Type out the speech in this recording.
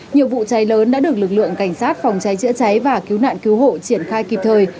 nhiều vụ cháy lớn đã được lực lượng cảnh sát phòng cháy chữa cháy và cứu nạn cứu hộ triển khai kịp thời